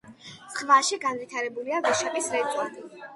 ზღვაში განვითარებულია ვეშაპის რეწვა.